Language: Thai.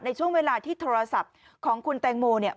ในช่วงเวลาที่โทรศัพท์ของคุณแตงโมเนี่ย